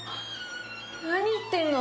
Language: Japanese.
何言ってんの？